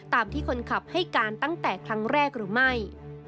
ตามที่คนขับให้การตั้งแต่ครั้งแรกหรือไม่